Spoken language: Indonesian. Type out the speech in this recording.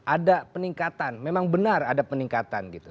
ada peningkatan memang benar ada peningkatan gitu